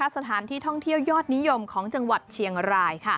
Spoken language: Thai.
สถานที่ท่องเที่ยวยอดนิยมของจังหวัดเชียงราย